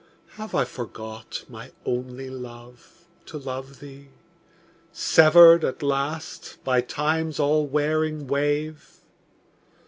Have I forgot, my only love, to love thee, Severed at last by Time's all wearing wave?